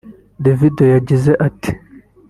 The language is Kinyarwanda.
Davido Yagize ati